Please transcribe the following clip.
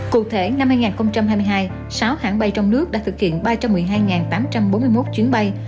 cụ thể năm hai nghìn hai mươi hai sáu hãng bay trong nước đã thực hiện ba trăm một mươi hai tám trăm bốn mươi một chuyến bay